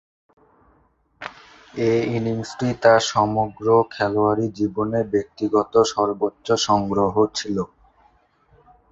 এ ইনিংসটি তার সমগ্র খেলোয়াড়ী জীবনে ব্যক্তিগত সর্বোচ্চ সংগ্রহ ছিল।